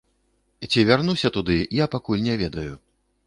Ці вярнуся туды, я пакуль не ведаю.